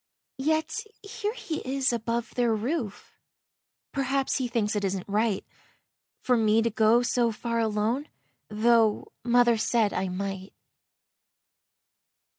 Yet here he is above their roof; Perhaps he thinks it isn't right For me to go so far alone, Tho' mother said I might.